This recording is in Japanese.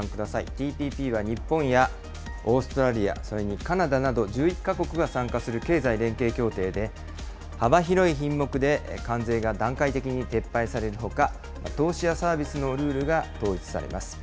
ＴＰＰは日本やオーストラリア、それにカナダなど１１か国が参加する経済連携協定で、幅広い品目で関税が段階的に撤廃されるほか、投資やサービスのルールが統一されます。